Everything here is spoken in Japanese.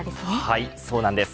はい、そうなんです。